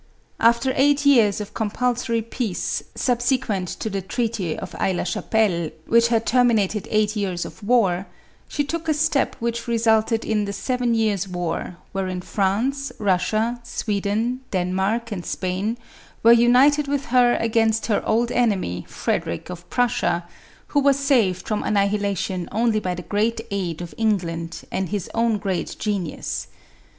After eight years of compulsory peace, subsequent to the treaty of Aix la Chapelle, which had terminated eight years of war, she took a step which resulted in " the seven years' war," wherein France, Russia, Sweden, Denmark, and Spain were united with her against her old enemy, Frederic of Prussia, who was saved from annihilation only by the great aid of England, and his own great 206 MARIA THERESA. genius.